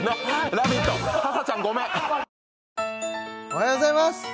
おはようございます